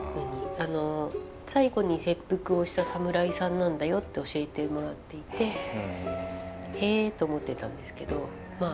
あの最後に切腹をした侍さんなんだよって教えてもらっていてへえと思ってたんですけどまあ。